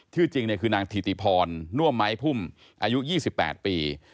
ชื่อจริงคือนางถิติพรน่วมไม้พุ่มอายุ๒๘ปี